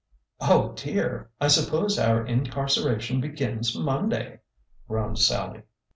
" Oh, dear! I suppose our incarceration begins Mon day !'' groaned Sallie.